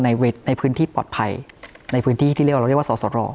ในพื้นที่ปลอดภัยในพื้นที่ที่เรียกว่าเราเรียกว่าสอสร